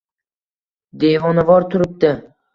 Devonavor turibdi.